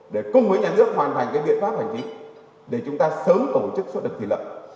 để cùng với nhà nước hoàn thành cái biện pháp hành chính để chúng ta sớm tổ chức suốt đợt thịt lợn